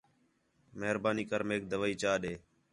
مہربانی کر میک دوائی چا ݙے